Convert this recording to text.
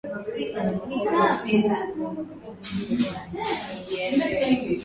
wanyamapori waliyogongwa walikuwa mia mbili kumi na nane